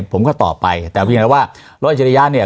ผมก็ตอบไปแต่เพียงแต่ว่าร้อยอิจริยะเนี่ย